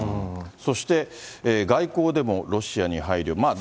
そして、外交でもロシアに配慮。